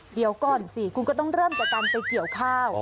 เดี๋ยวก่อนสิคุณก็ต้องเริ่มจากการไปเกี่ยวข้าว